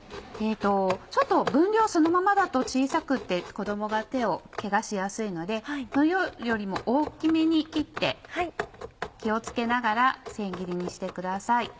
ちょっと分量そのままだと小さくて子供が手をけがしやすいので分量よりも大きめに切って気を付けながら千切りにしてください。